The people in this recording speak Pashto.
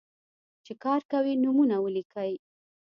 چې کار کوي، نومونه ولیکئ.